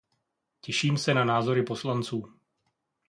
Těším se na názory poslanců.